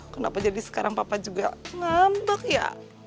kenapa jadi sekarang papa juga ngambek ya